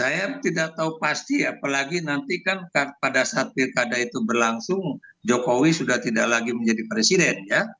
saya tidak tahu pasti apalagi nanti kan pada saat pilkada itu berlangsung jokowi sudah tidak lagi menjadi presiden ya